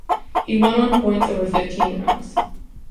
He won on points over fifteen rounds.